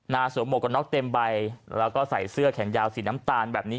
สวมหวกกันน็อกเต็มใบแล้วก็ใส่เสื้อแขนยาวสีน้ำตาลแบบนี้